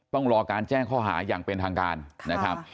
ต้องรอการแจ้งข้อหาอย่างเป็นทางการนะครับ